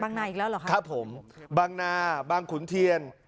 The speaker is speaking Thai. นาอีกแล้วเหรอครับครับผมบางนาบางขุนเทียน